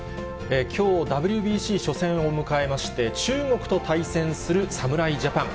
きょう、ＷＢＣ初戦を迎えまして、中国と対戦する侍ジャパン。